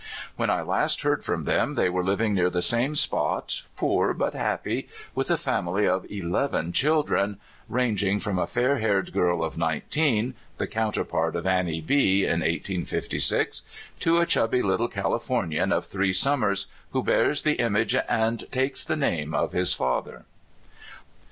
When I last heard from them they were living near the same spot, poor but happy, with a family of eleven children, ranging from a fair haired girl of nineteen, the counterpart of An nie B in 1856, to a chubby little Californian of three summers, who bears the image and takes the name of his father.